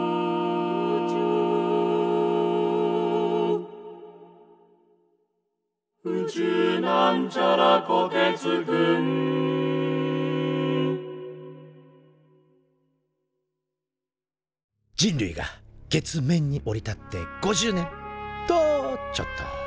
「宇宙」人類が月面に降り立って５０年！とちょっと。